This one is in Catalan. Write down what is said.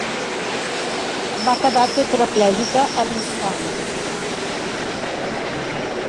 Va quedar tetraplègica a l'instant.